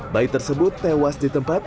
bayi tersebut tewas di tempat